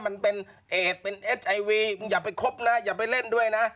มันเป็นเอดเป็นเอสไอวีมึงอย่าไปคบนะอย่าไปเล่นด้วยนะ